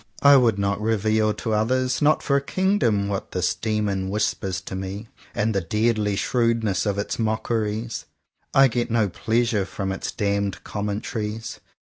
I would not reveal to others, — not for a kingdom — what this demon whispers to me, and the deadly shrewdness of its mockeries. I get no pleasure from its damned commen taries.